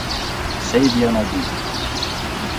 Xavier Naidoo.